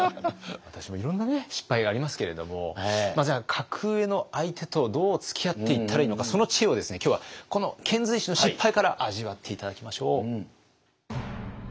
私もいろんな失敗がありますけれどもじゃあ格上の相手とどうつきあっていったらいいのかその知恵を今日はこの遣隋使の失敗から味わって頂きましょう。